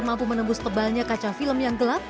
mampu menembus tebalnya kaca film yang gelap